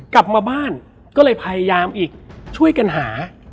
กลับมาบ้านก็เลยพยายามอีกช่วยกันหา